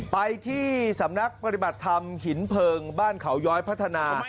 ไปที่สำนักปฏิบัติธรรมหินเพลิงบ้านเขาย้อยพัฒนา